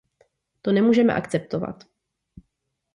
To nemůžeme akceptovat.